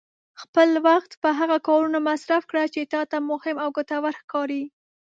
خپل وخت په هغه کارونو مصرف کړه چې تا ته مهم او ګټور ښکاري.